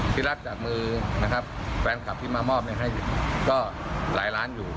ที่รับจากมือนะครับแฟนคลับที่มามอบให้ก็หลายล้านอยู่